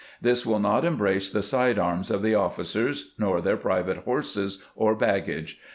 This will not embrace the side arms of the officers, nor their private horses or baggage.